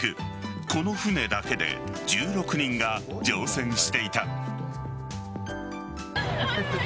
この船だけで１６人が乗船していた。